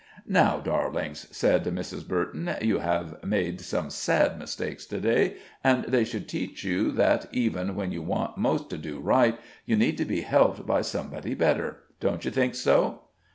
"Now, darlings," said Mrs. Burton, "you have made some sad mistakes to day, and they should teach you that, even when you want most to do right, you need to be helped by somebody better. Don't you think so?"